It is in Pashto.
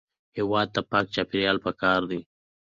هېواد ته پاک چاپېریال پکار دی